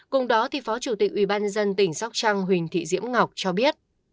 cùng đó phó chủ tịch ủy ban nhân dân tp sopchang huỳnh thị diễm ngọc cho biết